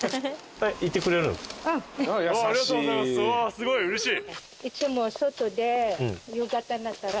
すごいうれしい。